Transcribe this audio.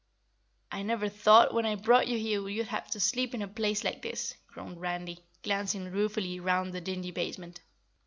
"I never thought when I brought you here you'd have to sleep in a place like this," groaned Randy, glancing ruefully round the dingy basement.